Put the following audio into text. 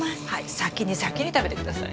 先に先に食べて下さい。